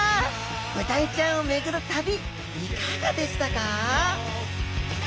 ブダイちゃんを巡る旅いかがでしたか？